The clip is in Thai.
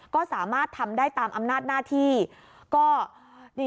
ก็สามารถทำได้ตามอำนาจหน้าที่